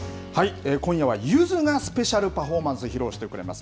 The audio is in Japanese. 今夜はゆずがスペシャルパフォーマンス、披露してくれます。